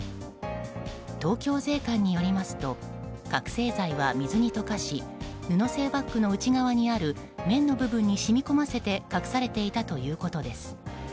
東京税関によりますと覚醒剤は水に溶かし布製バッグの内側にある綿の部分に染み込ませて隠されていたということです。